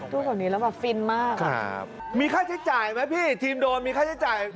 ตู้ของนี้แล้วแบบฟินมากครับมีค่าใช้จ่ายไหมพี่ทีมโดรนมีค่าใช้จ่ายเท่าไร